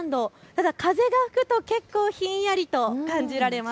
ただ風が吹くと結構、ひんやりと感じられます。